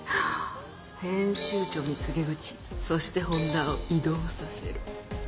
編集長に告げ口そして本田を異動させる。